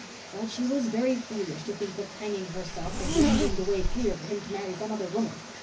But she was very foolish to think of hanging herself and leaving the way clear for him to marry some other woman.